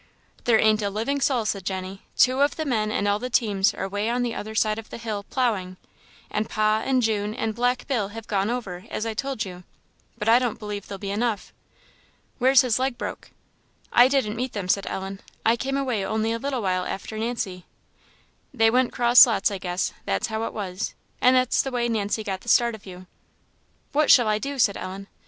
"There ain't a living soul!" said Jenny; "two of the men and all the teams are 'way on the other side of the hill, ploughing, and pa, and June, and Black Bill have gone over, as I told you; but I don't believe they'll be enough. Where's his leg broke?" "I didn't meet them," said Ellen; "I came away only a little while after Nancy." "They went 'cross lots, I guess that's how it was; and that's the way Nancy got the start of you." "What shall I do?" said Ellen.